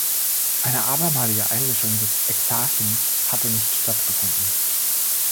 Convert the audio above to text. Eine abermalige Einmischung des Exarchen hatte nicht stattgefunden.